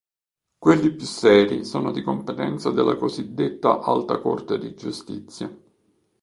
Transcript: Quelli più seri sono di competenza della cosiddetta Alta corte di giustizia.